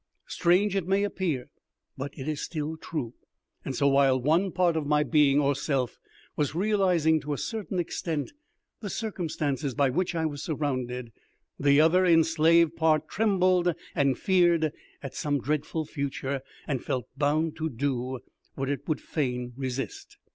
Strange it may appear, but it is still true, and so while one part of my being or self was realizing to a certain extent the circumstances by which I was surrounded, the other enslaved part trembled and feared at some dreadful future, and felt bound to do what it would fain resist.